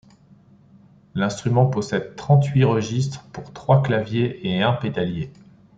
L'instrument possède trente-huit registres pour trois claviers et un pédalier.